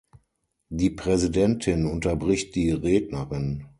Die Präsidentin unterbricht die Rednerin.